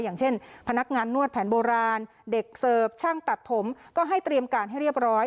อย่างเช่นพนักงานนวดแผนโบราณเด็กเสิร์ฟช่างตัดผมก็ให้เตรียมการให้เรียบร้อย